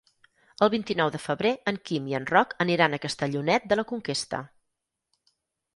El vint-i-nou de febrer en Quim i en Roc aniran a Castellonet de la Conquesta.